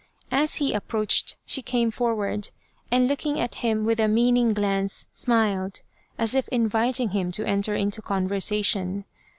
As he approached she came forward, and looking at him with a meaning glance, smiled, as if inviting him to enter into conversation.